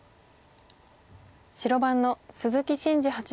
白番の鈴木伸二八段です。